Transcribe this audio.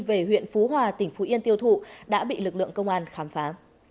về huyện phú hòa tỉnh phú yên tiêu thụ đã bị lực lượng công an khám phá